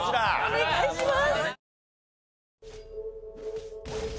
お願いします！